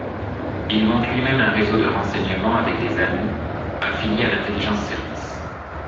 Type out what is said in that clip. Il monte lui-même un réseau de renseignements avec des amis, affilié à l'Intelligence Service.